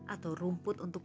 atau rumput untuk pakai